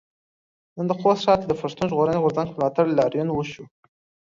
نن د خوست ښار کې د پښتون ژغورنې غورځنګ په ملاتړ لاريون وشو.